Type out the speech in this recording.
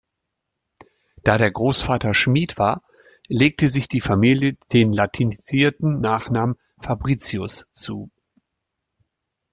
Da der Großvater Schmied war, legte sich die Familie den latinisierten Nachnamen Fabricius zu.